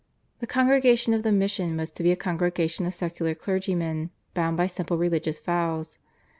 The Congregation of the Mission was to be a congregation of secular clergymen, bound by simple religious vows.